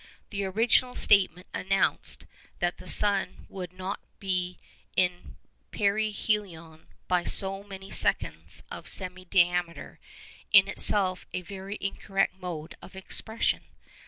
The original statement announced that the sun would not be in perihelion by so many seconds of semi diameter, in itself a very incorrect mode of expression.